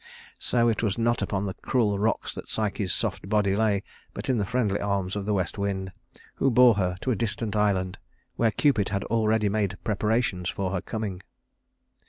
So it was not upon the cruel rocks that Psyche's soft body lay, but in the friendly arms of the west wind who bore her to a distant island, where Cupid had already made preparations for her coming.